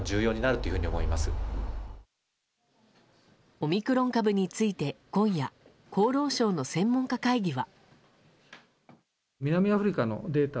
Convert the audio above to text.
オミクロン株について今夜厚労省の専門家会議は。